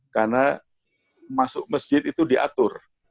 karena masuk masjid itu diatur